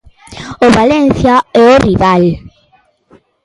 O Valencia é o rival.